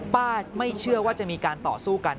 ไม่เชื่อว่าจะมีการต่อสู้กัน